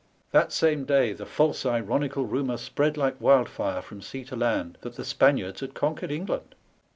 That same day the false ironical rumour spread like wildfire from sea to land that the Spaniards had conquered England!